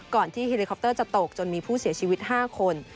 ก่อนที่เฮลิคอปเตอร์จะตกจนมีผู้เสียชีวิต๕คน